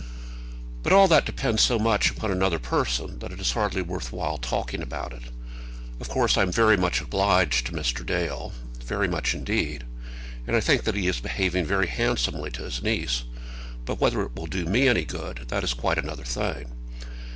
But all that depends so much upon another person, that it is hardly worth while talking about it. Of course I am very much obliged to Mr. Dale, very much indeed, and I think that he is behaving very handsomely to his niece. But whether it will do me any good, that is quite another thing.